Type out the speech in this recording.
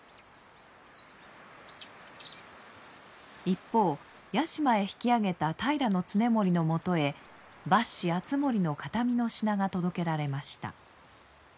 一方屋島へ引き揚げた平経盛のもとへ末子敦盛の形見の品が届けられました。